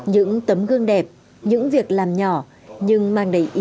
những tấm gương đẹp những việc làm nhỏ nhưng mang đầy ý nghĩa như hành động của trung tá hải